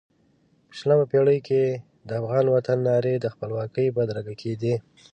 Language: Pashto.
په شلمه پېړۍ کې د افغان وطن نارې د خپلواکۍ بدرګه کېدې.